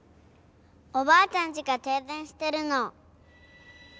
おばあちゃんちが停電してるの。